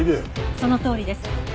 そのとおりです。